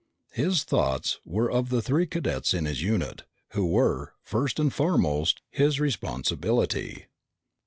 His thoughts were of the three cadets in his unit, who were, first and foremost, his responsibility.